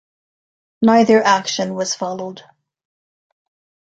Neither action was followed.